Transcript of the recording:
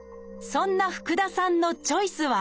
そんな福田さんのチョイスは？